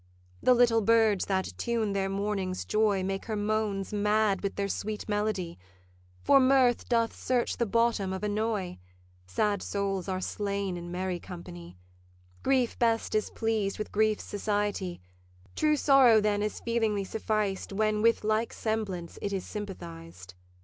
The little birds that tune their morning's joy Make her moans mad with their sweet melody: For mirth doth search the bottom of annoy; Sad souls are slain in merry company; Grief best is pleased with grief's society: True sorrow then is feelingly sufficed When with like semblance it is sympathized.